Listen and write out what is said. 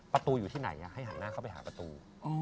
ประตูอยู่ที่ไหนให้หันหน้าเข้าไปหาประตู